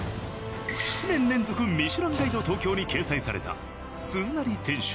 ７年連続『ミシュランガイド東京』に掲載された鈴なり店主